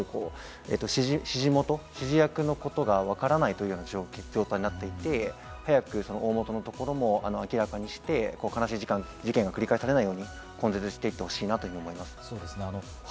なので実行犯を逮捕しても、指示役のことがわからないという状態になっていて、早くその大元のところも明らかにして、悲しい事件が繰り返されないように根絶していってほしいなと思います。